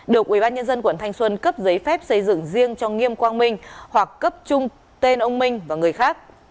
được ubnd quận thanh xuân cấp giấy phép xây dựng riêng cho nghiêm quang minh hoặc cấp trung tên ông minh và người khác